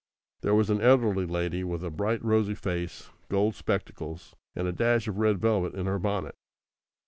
There was an elderly lady, with a bright rosy face, gold spectacles, and a dash of red velvet in her bonnet.